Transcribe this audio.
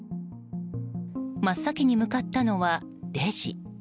真っ先に向かったのはレジ。